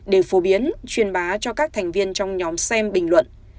để phổ biến truyền bá cho các thành viên trong nhóm xem bình luận